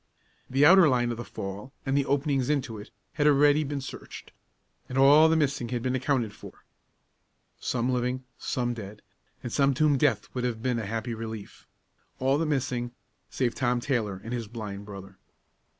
The outer line of the fall, and the openings into it, had already been searched; and all the missing had been accounted for some living, some dead, and some to whom death would have been a happy relief all the missing, save Tom Taylor and his blind brother.